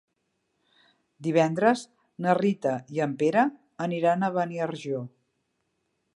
Divendres na Rita i en Pere aniran a Beniarjó.